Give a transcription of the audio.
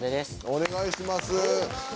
お願いします。